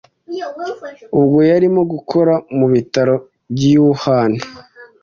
ubwo yarimo gukora mu bitaro by'i Wuhan